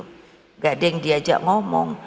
tidak ada yang diajak ngomong